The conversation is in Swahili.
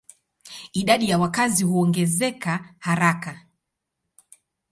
Idadi ya wakazi huongezeka haraka.